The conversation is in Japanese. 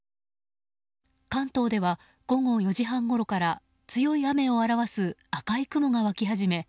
関東では、午後４時半ごろから強い雨を表す赤い雲が湧き始め